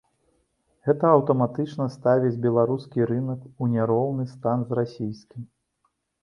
Гэта аўтаматычна ставіць беларускі рынак у няроўны стан з расійскім.